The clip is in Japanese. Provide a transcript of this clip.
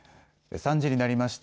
３時になりました。